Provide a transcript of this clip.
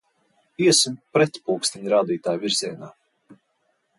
Iesim pretpulksteņrādītājvirzienā!